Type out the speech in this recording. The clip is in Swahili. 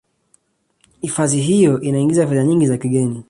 hifadhi hiyo inangiza fedha nyingi za kigeni